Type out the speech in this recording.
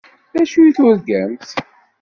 D acu i turgamt?